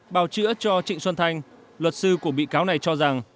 bào chữa cho trịnh xuân thanh luật sư của bị cáo này cho rằng